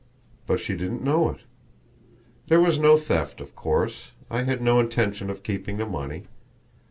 But she didn't know it. There was no theft, of course. I had no intention of keeping the money.